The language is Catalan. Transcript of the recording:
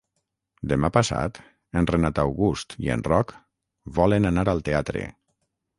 Demà passat en Renat August i en Roc volen anar al teatre.